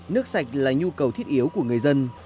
nước sạch là nhu cầu thiết yếu của người dân